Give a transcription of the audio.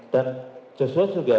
dan joshua juga